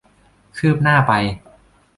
คืบหน้าไป